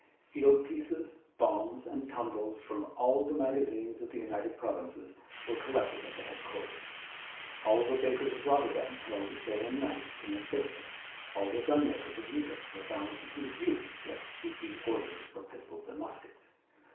Field pieces, bombs, and tumbrels from all the magazines of the United Provinces were collected at the head quarters. All the bakers of Rotterdam toiled day and night to make biscuit. All the gunmakers of Utrecht were found too few to execute the orders for pistols and muskets.